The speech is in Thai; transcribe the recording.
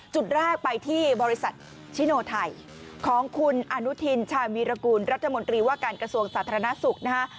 จุดแรกไปที่บริษัทชิโนไทยของคุณอนุทินชาญวีรกูลรัฐมนตรีว่าการกระทรวงสาธารณสุขนะฮะ